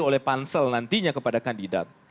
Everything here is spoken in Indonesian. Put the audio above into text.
oleh pansel nantinya kepada kandidat